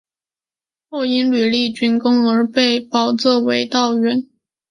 后因屡立军功而被保奏为道员。